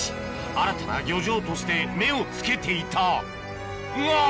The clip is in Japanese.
新たな漁場として目をつけていたが！